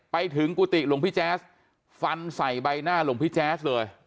ไปถึงกุฏิหลวงพี่แจ๊สฟันใส่ใบหน้าหลวงพี่แจ๊สเลย